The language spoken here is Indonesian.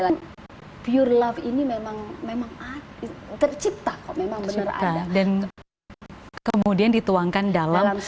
lagi pure love ini memang memang tercipta memang bener ada dan kemudian dituangkan dalam